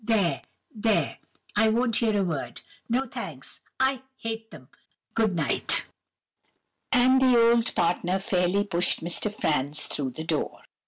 There, there! I won't hear a word! No thanks—I hate them! Good night.' "And the old partner fairly pushed Mr. Franz through the door.